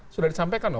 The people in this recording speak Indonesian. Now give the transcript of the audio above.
sudah disampaikan loh